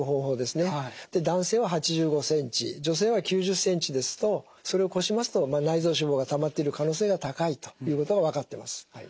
男性は８５ｃｍ女性は９０ｃｍですとそれを超しますと内臓脂肪がたまっている可能性が高いということが分かってます。